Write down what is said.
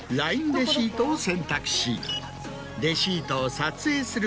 レシートを選択し「レシートを撮影する」